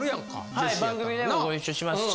はい番組でもご一緒しますし。